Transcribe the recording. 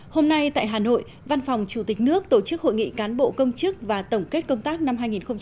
hôm nay tại hà nội văn phòng chủ tịch nước tổ chức hội nghị cán bộ công chức và tổng kết công tác năm hai nghìn một mươi chín